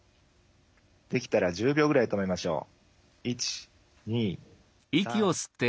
できたら１０秒ぐらい止めましょう。